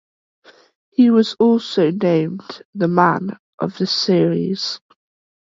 He was also named the Man of the Series.